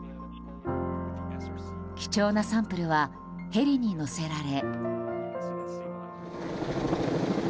貴重なサンプルはヘリに載せられ。